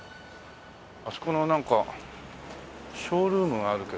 あそこのなんかショールームがあるけど。